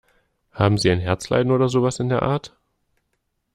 Haben Sie ein Herzleiden oder sowas in der Art?